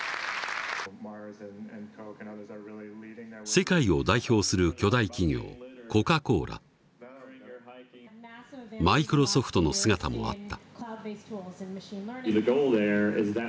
世界を代表する巨大企業コカ・コーラマイクロソフトの姿もあった。